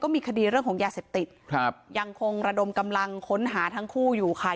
มีคดีเรื่องของยาเสพติดครับยังคงระดมกำลังค้นหาทั้งคู่อยู่ค่ะ